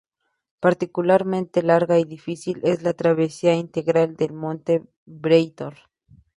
Particularmente larga y difícil es la travesía integral del monte Breithorn.